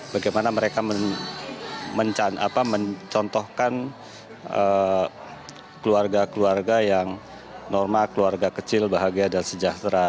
bagaimana mereka mencontohkan keluarga keluarga yang normal keluarga kecil bahagia dan sejahtera